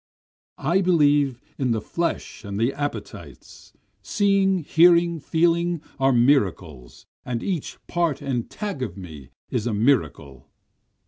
I believe in the flesh and the appetites, Seeing, hearing, feeling, are miracles, and each part and tag of me is a miracle.